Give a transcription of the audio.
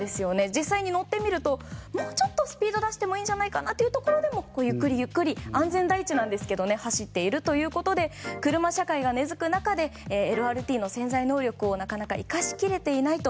実際に乗ってみるともうちょっとスピードを出していいんじゃないかというところでも安全第一なんですがゆっくりゆっくり走っているということで車社会が根付く中でＬＲＴの潜在能力をなかなか生かし切れていないと。